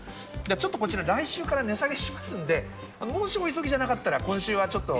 ちょっとこちら、来週から値下げしますので、もしお急ぎじゃなかったら、今週はちょっと。